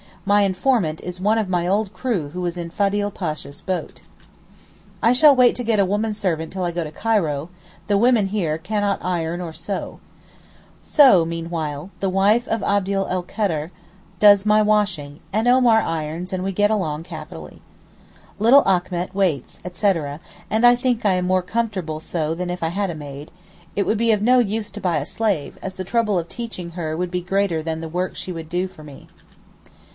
My informant is one of my old crew who was in Fadil Pasha's boat. I shall wait to get a woman servant till I go to Cairo, the women here cannot iron or sew; so, meanwhile, the wife of Abd el Kader, does my washing, and Omar irons; and we get on capitally. Little Achmet waits, etc., and I think I am more comfortable so than if I had a maid,—it would be no use to buy a slave, as the trouble of teaching her would be greater than the work she would do for me.